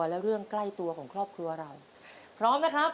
และเรื่องใกล้ตัวของครอบครัวเราพร้อมนะครับ